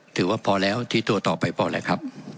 ถือว่าพอแล้วที่ตัวต่อไปพอแล้วครับ